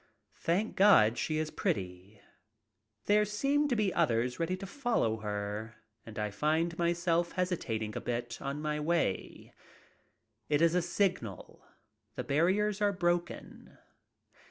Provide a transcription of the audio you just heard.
Thank God, she is pretty. There seem to be others ready to follow her, and I find my self hesitating a bit on my way. It is a signal. The barriers are broken.